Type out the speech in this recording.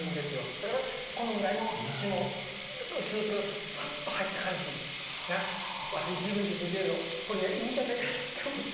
だからこのぐらいの霜薄くさっと入った感じが私自分自身でこれがいいんじゃないかなって思って。